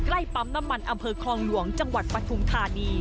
ปั๊มน้ำมันอำเภอคลองหลวงจังหวัดปฐุมธานี